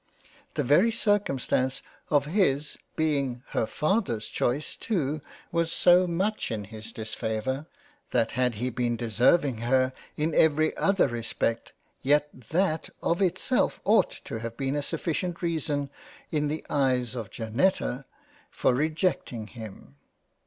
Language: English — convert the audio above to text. The very circumstance of his being her father's choice too, was so much in his disfavour, that had he been deserving her, in every other respect yet that of itself ought to have been a sufficient reason in the Eyes of Janetta for H £ LOVE AND FREINDSHIP £ rejecting him.